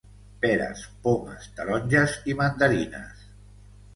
peres, pomes, taronges i mandarines